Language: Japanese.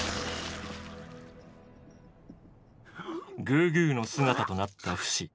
グーグーの姿となったフシ。